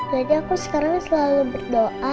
jadi aku sekarang selalu berdoa